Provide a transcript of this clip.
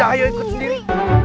ayo ikut sendiri